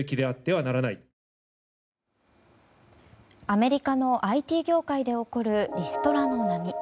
アメリカのＩＴ業界で起こるリストラの波。